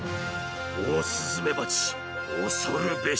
オオスズメバチ、恐るべし。